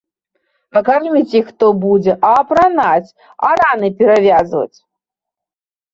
А карміць іх хто будзе, а апранаць, а раны перавязваць?